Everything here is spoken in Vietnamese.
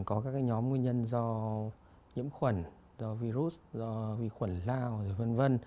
có các nhóm nguyên nhân do nhiễm khuẩn do virus do vi khuẩn lao v v